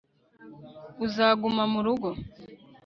uzaguma murugo